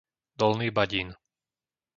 Dolný Badín